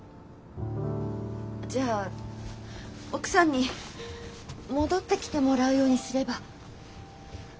じゃあ奥さんに戻ってきてもらうようにすれば。